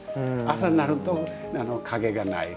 朝になると影がない。